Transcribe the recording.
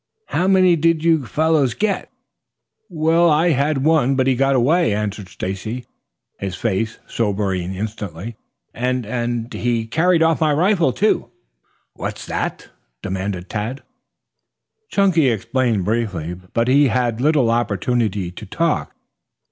How many did you fellows get?" "Well, I had one, but he got away," answered Stacy, his face sobering instantly. "And and he carried off my rifle too." "What's that?" demanded Tad. Chunky explained briefly. But he had little opportunity to talk.